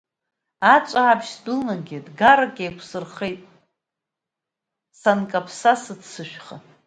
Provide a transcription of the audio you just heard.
Аҵәаабжь сдәылнагеит гарак, еиқәсырхеит, санкаԥса сыццышәха.